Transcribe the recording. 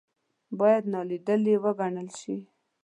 باید نا لیدلې وګڼل شي.